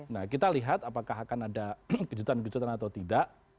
nah kita lihat apakah akan ada kejutan kejutan atau tidak